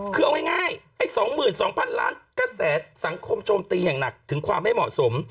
คือเอาง่ายไอ้๒๒๐๐๐ล้านกระแสสังคมโจมตีอย่างหนักถึงความไม่เหมาะสม